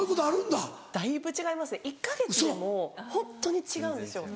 だいぶ違いますね１か月でもホントに違うんですよ。